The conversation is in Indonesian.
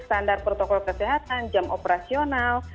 standar protokol kesehatan jam operasional